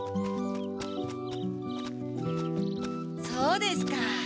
そうですか。